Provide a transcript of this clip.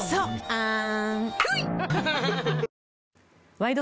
「ワイド！